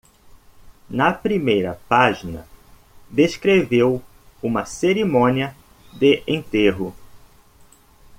Na primeira página descreveu uma cerimônia de enterro.